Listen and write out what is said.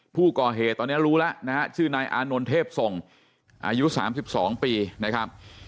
ผู้ก่อเหตุตอนเนี้ยรู้แล้วนะฮะชื่อนายอานนวลเทพทรงอายุสามสิบสองปีนะครับ